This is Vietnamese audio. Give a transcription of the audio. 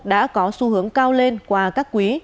đã có xu hướng cao lên qua các quý